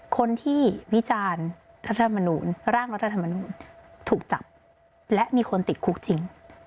คนที่วิจารณ์ร่างรัฐมนุนถูกจับและมีคนติดคุกจริง